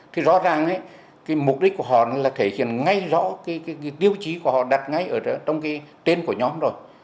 thì rõ ràng cái mục đích của họ là thể hiện ngay rõ cái tiêu chí của họ đặt ngay ở trong cái tên của nhóm rồi